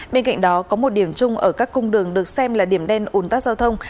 bên cạnh đó có một điểm chung ở các cung đường được xem là điểm đen ủn tắc giao thông